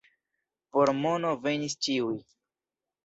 Por mono venis ĉiuj.